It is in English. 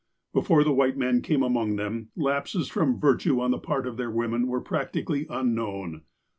Before the white men came among them, lapses from virtue on the part of their women were practically un known.